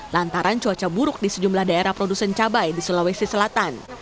lantaran cuaca buruk di sejumlah daerah produsen cabai di sulawesi selatan